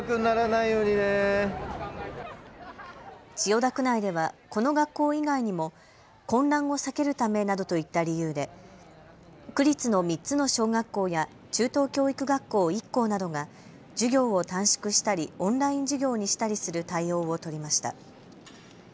千代田区内ではこの学校以外にも混乱を避けるためなどといった理由で区立の３つの小学校や中等教育学校１校などが授業を短縮したりオンライン授業にしたりする対応を取りました。